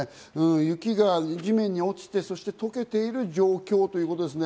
雪が地面に落ちてとけている状況ってことですね。